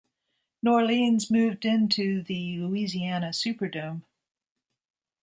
New Orleans moved into the Louisiana Superdome.